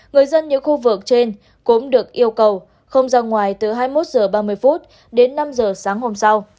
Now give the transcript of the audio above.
người dân những khu vực trên cũng được yêu cầu không ra ngoài từ hai mươi một h ba mươi đến năm h sáng hôm sau